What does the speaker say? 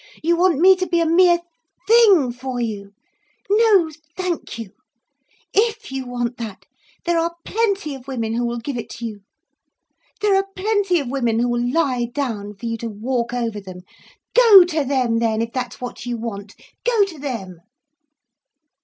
You want me to be a mere thing for you! No thank you! If you want that, there are plenty of women who will give it to you. There are plenty of women who will lie down for you to walk over them—go to them then, if that's what you want—go to them."